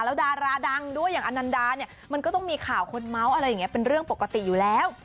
แล้วดาราดังด้วยอย่างอนันดาเนี่ยมันก็ต้องมีข่าวคนเมาส์อะไรอย่างนี้เป็นเรื่องปกติอยู่แล้ว